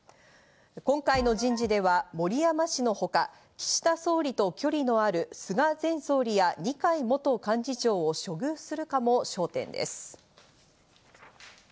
今回の人事では森山氏のほか、岸田総理と距離のある菅前総理は二階元幹事長を処遇するかも焦点です。